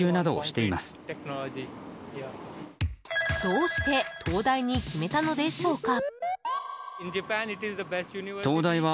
どうして東大に決めたのでしょうか？